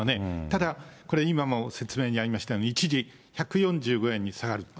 ただこれ今も説明にありましたように、一時１４５円に下がる。